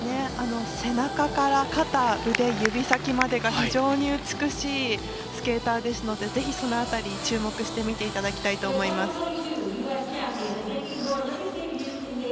背中から肩、腕指先までが非常に美しいスケーターですのでぜひ、その辺りも注目して見ていただきたいと思います。